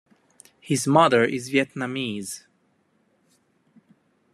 His mother is Vietnamese.